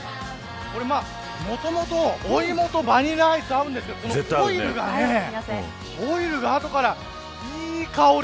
もともと、お芋とバニラアイス合うんですけどオイルが後からいい香り。